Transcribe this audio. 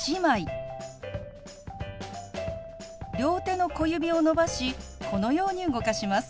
両手の小指を伸ばしこのように動かします。